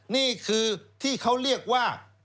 นี่คือที่เขาเรียกว่า